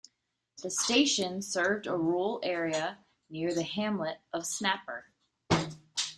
The station served a rural area near the hamlet of Snapper.